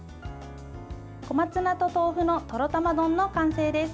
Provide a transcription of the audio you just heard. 小松菜と豆腐のとろたま丼の完成です。